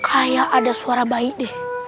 kayak ada suara bayi deh